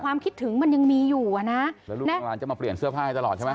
คิดถึงมันยังมีอยู่อ่ะนะแล้วลูกน้องหลานจะมาเปลี่ยนเสื้อผ้าให้ตลอดใช่ไหม